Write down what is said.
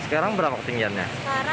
sekarang berapa ketinggiannya